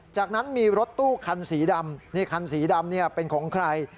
จากนั้นมีรถตู้คันสีดำนี่คันสีดำเป็นของใคร